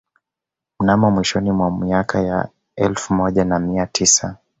Mnamo mwishoni mwa miaka ya elfu moja na mia tisa